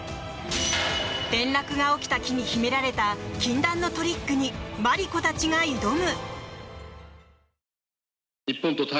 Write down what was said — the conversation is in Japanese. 転落が起きた木に秘められた禁断のトリックにマリコたちが挑む！